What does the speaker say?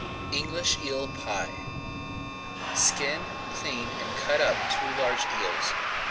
ENGLISH EEL PIE Skin, clean, and cut up two large eels.